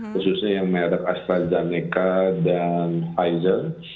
khususnya yang merek astrazeneca dan pfizer